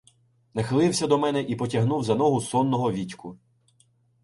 Нахилився до мене і потягнув за ногу сонного Вітьку.